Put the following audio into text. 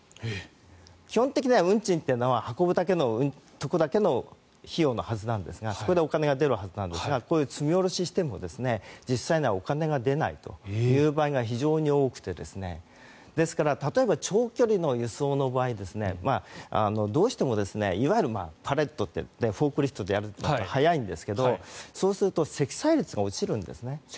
基本的には運賃というのは運ぶだけの費用なはずなんですがそこでお金が出るはずなんですがこういう積み下ろしをしても実際にはお金が出ないという場合が非常に多くて、ですから例えば、長距離の輸送の場合どうしてもいわゆるパレットといってフォークリフトでやるほうが早いんですがそうすると積載率が落ちるんですね。